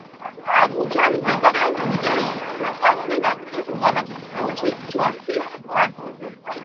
აბუჯა მდებარეობს ნიგერიის ცენტრალური ნაწილის ულამაზეს ხეობაში, ჯოსის პლატოზე.